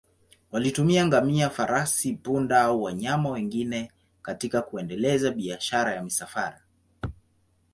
Walitumia ngamia, farasi, punda au wanyama wengine katika kuendeleza biashara ya misafara.